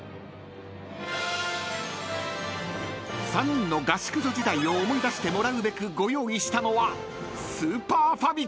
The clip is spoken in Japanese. ［３人の合宿所時代を思い出してもらうべくご用意したのは］